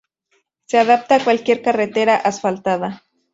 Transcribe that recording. Se adapta a cualquier carretera asfaltada.